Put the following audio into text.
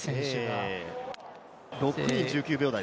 ６人１９秒台。